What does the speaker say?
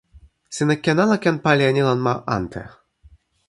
sina ken ala ken pali e ni lon ma ante?